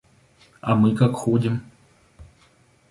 А мы как ходим?